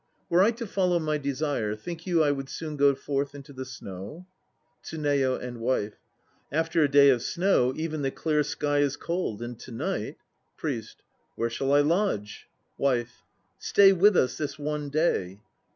Were I to follow my desire, think you I would soon go forth into the snow? TSUNEYO and WIFE. After a day of snow even the clear sky is cold, and to night PRIEST. Where shall I lodge? WIFE. Stay with us this one day.